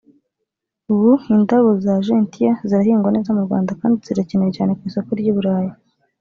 ubu indabo za Gentian zirahingwa neza mu Rwanda kandi zirakenewe cyane ku isoko ry’i Burayi